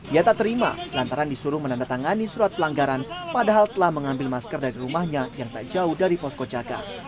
ia tak terima lantaran disuruh menandatangani surat pelanggaran padahal telah mengambil masker dari rumahnya yang tak jauh dari posko jaga